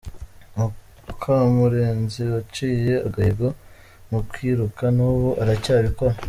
Mukamurenzi waciye agahigo mu kwiruka n’ubu aracyabikora